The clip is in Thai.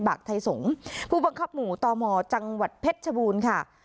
กไทยสงฆ์ผู้บังคับหมู่ตมจังหวัดเพชรชบูรณ์ค่ะ